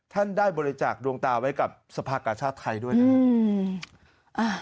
ท่านได้บริจาคดวงตาไว้กับสภากาชาติไทยด้วยนะครับ